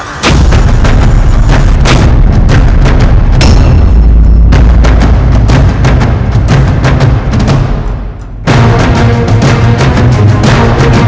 aku tidak bisa terjucahkan